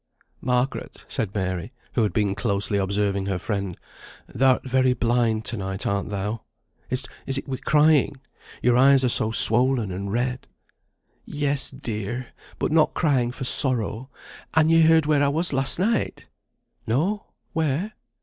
"Margaret," said Mary, who had been closely observing her friend, "thou'rt very blind to night, arn't thou? Is it wi' crying? Your eyes are so swollen and red." "Yes, dear! but not crying for sorrow. Han ye heard where I was last night?" "No; where?"